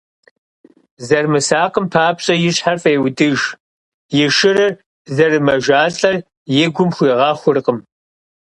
Зэрымысакъам папщӀэ и щхьэр фӀеудыж, и шырыр зэрымэжалӀэр и гум хуигъэхуркъым.